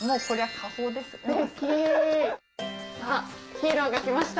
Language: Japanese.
ヒーローが来ました。